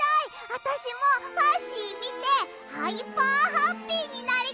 あたしもファッシーみてハイパーハッピーになりたい！